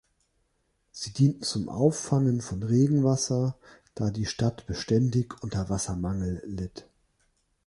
Sie dienten zum Auffangen von Regenwasser, da die Stadt beständig unter Wassermangel litt.